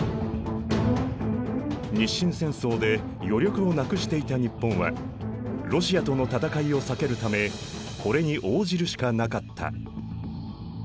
日清戦争で余力をなくしていた日本はロシアとの戦いを避けるためこれに応じるしかなかった。